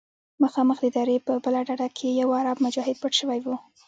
مخامخ د درې په بله ډډه کښې يو عرب مجاهد پټ سوى و.